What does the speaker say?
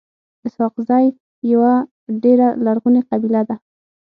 اسحق زی يوه ډيره لرغوني قبیله ده.